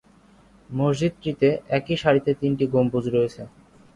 মসজিদটিতে একই সারিতে তিনটি গম্বুজ রয়েছে।